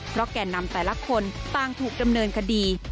เพราะแก่นำแต่ละคนต่างถูกดำเนินคดี